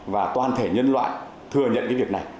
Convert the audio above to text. và toàn thể nhân loại thừa nhận cái việc này